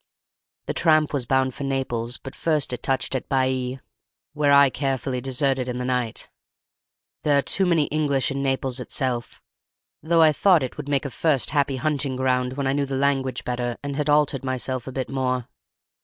"The tramp was bound for Naples, but first it touched at Baiæ, where I carefully deserted in the night. There are too many English in Naples itself, though I thought it would make a first happy hunting ground when I knew the language better and had altered myself a bit more.